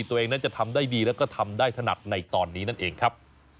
ตัวเองนั้นจะทำได้ดีแล้วก็ทำได้ถนัดในตอนนี้นั่นเองครับ